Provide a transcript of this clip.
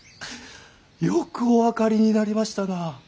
よくお分かりになりましたな。